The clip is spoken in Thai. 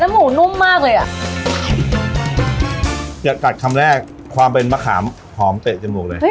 หมูนุ่มมากเลยอ่ะอย่าตัดคำแรกความเป็นมะขามหอมเตะจมูกเลย